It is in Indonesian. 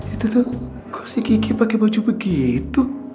itu tuh kok si kiki pake baju begitu